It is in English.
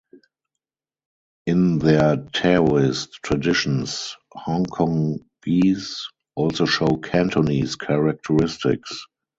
In their Taoist traditions, Hongkongese also show Cantonese characteristics.